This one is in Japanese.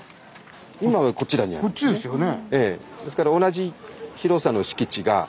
今はこちらにありますね。